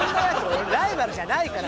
俺ライバルじゃないから。